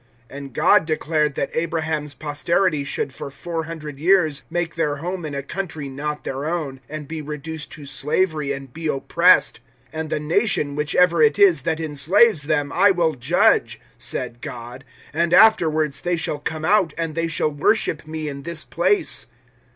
007:006 And God declared that Abraham's posterity should for four hundred years make their home in a country not their own, and be reduced to slavery and be oppressed. 007:007 "`And the nation, whichever it is, that enslaves them, I will judge,' said God; `and afterwards they shall come out, and they shall worship Me in this place.'